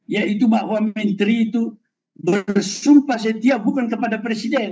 yaitu bahwa menteri itu bersumpah setia bukan kepada presiden